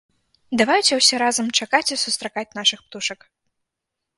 Давайце ўсе разам чакаць і сустракаць нашых птушак!